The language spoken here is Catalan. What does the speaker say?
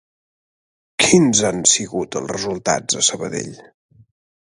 Quins han sigut els resultats a Sabadell?